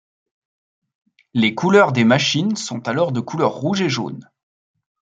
Les couleurs des machines sont alors de couleurs rouge et jaune.